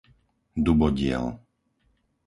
Dubodiel